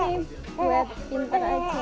ini web pintar